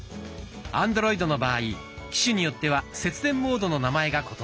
アンドロイドの場合機種によっては節電モードの名前が異なります。